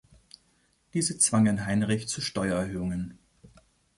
Diese zwangen Heinrich zu Steuererhöhungen.